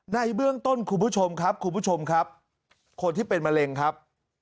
ในเบื้องต้นคุณผู้ชมครับคนที่เป็นมะเร็งครับ